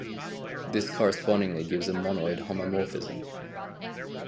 This correspondingly gives a monoid homomorphism.